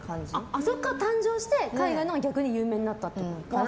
あそこから誕生して逆に海外のが有名になったってこと？